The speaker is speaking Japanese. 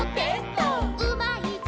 「うまいぞ！